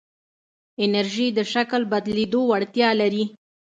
انرژی د شکل بدلېدو وړتیا لري.